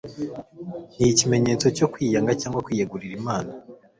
ni ikimenyetso cyo kwiyanga cyangwa kwiyegurira imana